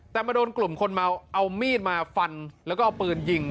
แต่มาโดนกลุ่มคนเมาเอามีดมาฟันแล้วก็เอาปืนยิง